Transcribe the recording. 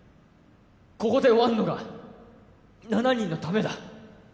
ここで終わるのが７人のためだ